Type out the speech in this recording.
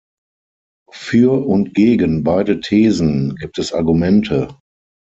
Für und gegen beide Thesen gibt es Argumente.